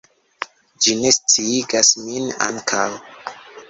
Ĝi ne sciigas min ankaŭ!